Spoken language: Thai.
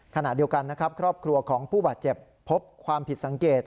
ขณะเดียวกันนะครับครอบครัวของผู้บาดเจ็บพบความผิดสังเกต